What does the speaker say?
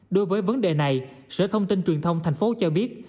đối với vấn đề này sở thông tin truyền thông thành phố cho biết